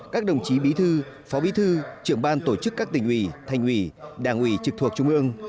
các đồng chí bí thư phó bí thư trưởng ban tổ chức các tỉnh ủy thành ủy đảng ủy trực thuộc trung ương